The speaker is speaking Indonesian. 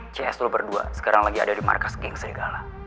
cs dulu berdua sekarang lagi ada di markas geng segala